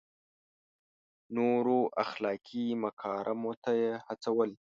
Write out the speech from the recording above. نورو اخلاقي مکارمو ته یې هڅول.